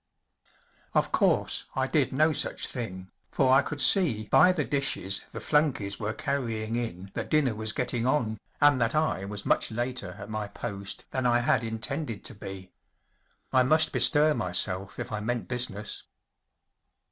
Of coutse I did no such thing, for I could see by the dishes the flunkeys were carrying in that dinner was getting on, and that I was much later at my post than I had intended to be. 1 must bestir myself if I meant business.